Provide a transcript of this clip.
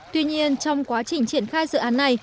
tuy nhiên trong quá trình triển khai dự án này